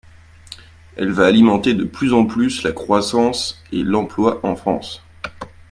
Elle va alimenter de plus en plus la croissance et l’emploi en France.